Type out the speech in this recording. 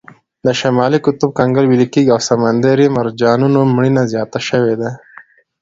د شمالي قطب کنګل ویلې کیږي او د سمندري مرجانونو مړینه زیاته شوې ده.